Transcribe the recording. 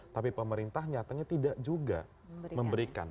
tapi pemerintah nyatanya tidak juga memberikan